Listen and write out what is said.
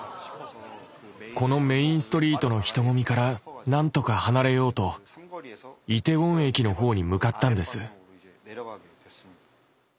このメインストリートの人混みから何とか離れようとイテウォン駅の方に向かったんです。